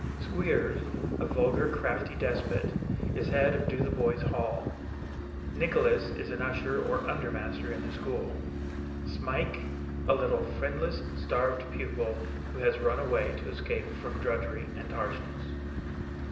Squeers, a vulgar, crafty despot, is head of Dotheboys Hall. Nicholas is an usher or undermaster in the school; Smike, a little, friendless, starved pupil who has run away to escape from drudgery and harshness.)